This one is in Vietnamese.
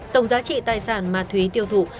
tổng giá trị tài sản mà thúy tiêu thụ